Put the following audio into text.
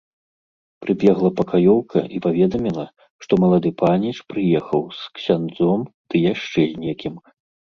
Прыбегла пакаёўка і паведаміла, што малады паніч прыехаў з ксяндзом ды яшчэ з некім.